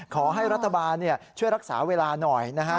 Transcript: ขอให้รัฐบาลช่วยรักษาเวลาหน่อยนะฮะ